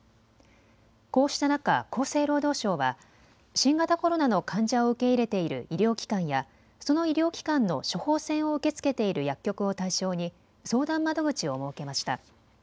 こうした中、厚生労働省は新型コロナの患者を受け入れている医療機関やその医療機関の処方箋を受け付けている薬局を対象に相談窓口を設けました。